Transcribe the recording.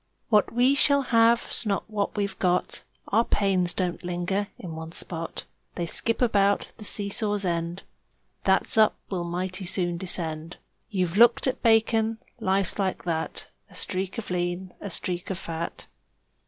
What we shall have's not what we've got; Our pains don't linger in one spot They skip about; the seesaw's end That's up will mighty soon descend; You've looked at bacon? Life's like that A streak of lean, a streak of fat.